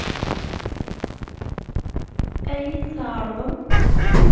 Ad iyi-t-tɛeṛḍem?